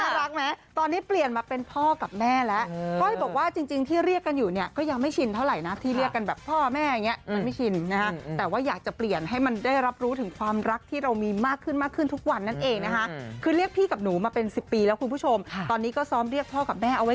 รักไหมตอนนี้เปลี่ยนมาเป็นพ่อกับแม่แล้วก้อยบอกว่าจริงที่เรียกกันอยู่เนี่ยก็ยังไม่ชินเท่าไหร่นะที่เรียกกันแบบพ่อแม่อย่างเงี้ยมันไม่ชินนะฮะแต่ว่าอยากจะเปลี่ยนให้มันได้รับรู้ถึงความรักที่เรามีมากขึ้นมากขึ้นทุกวันนั่นเองนะคะคือเรียกพี่กับหนูมาเป็นสิบปีแล้วคุณผู้ชมตอนนี้ก็ซ้อมเรียกพ่อกับแม่เอาไว้